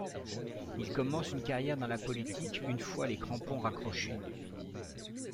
Il commence une carrière dans la politique une fois les crampons raccrochés.